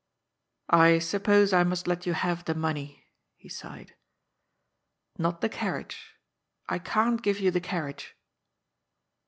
I suppose I must let you have the money," he sighed. " Not the carriage. I can't give you the carriage."